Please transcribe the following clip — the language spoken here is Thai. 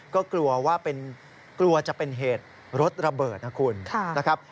ก็กลัวว่าเป็นเกลือจะเป็นเหตุรถระเบิดนะครับ